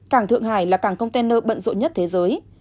cảng thượng hải là cảng container bận rộn nhất thế giới